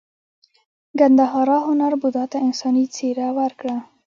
ګندهارا هنر بودا ته انساني څیره ورکړه